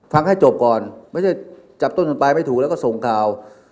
ฟังให้จบก่อนไม่ใช่จับต้นไปไม่ถูกแล้วก็ส่งเค้า